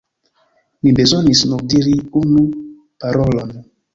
Mi bezonis nur diri unu parolon.